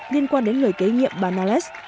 liên quan đến người kế nhiệm bà nales